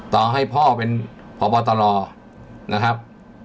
ต่อให้พ่อเป็นพบตรนะครับ